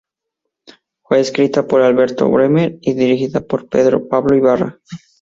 Fue escrita por Alberto Bremer y dirigida por Pedro Pablo Ibarra.